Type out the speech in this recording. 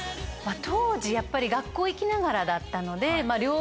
当時やっぱり学校行きながらだったので。